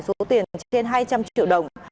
số tiền trên hai trăm linh triệu đồng